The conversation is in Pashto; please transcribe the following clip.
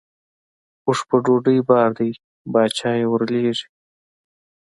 اوښ په ډوډۍ بار دی باچا یې ورلېږي.